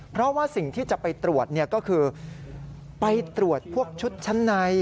เพราะว่าสิ่งที่จะไปตรวจก็คือไปตรวจพวกชุดชั้นใน